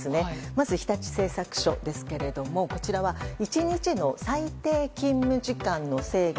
まず日立製作所ですけどこちらは１日の最低勤務時間の制限